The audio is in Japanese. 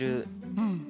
うん。